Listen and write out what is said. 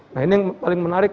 nah ini yang paling menarik